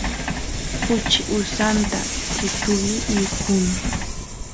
kuchi usanta qetuvi mikun